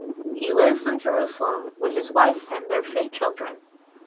He lives in Jerusalem with his wife and their three children.